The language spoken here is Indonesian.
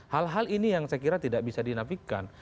hal hal ini yang saya kira tidak bisa dinafikan